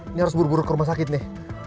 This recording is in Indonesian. ini harus buru buru ke rumah sakit nih